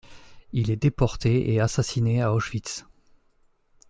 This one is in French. Il est déporté et assassiné à Auschwitz.